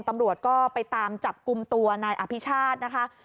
ตำรวจก็ไปตามจับกลุ่มตัวนายอภิชาตินะคะ